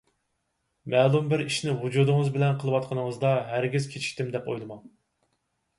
مەلۇم بىر ئىشنى ۋۇجۇدىڭىز بىلەن قىلىۋاتقىنىڭىزدا، ھەرگىز كېچىكتىم دەپ ئويلىماڭ.